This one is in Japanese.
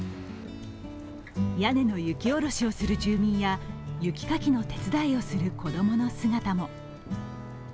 屋根の雪下ろしをする住民や雪かきの手伝いをする子供の姿も。